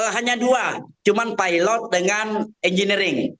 hanya dua cuma pilot dengan engineering